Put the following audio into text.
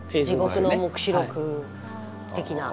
「地獄の黙示録」的な。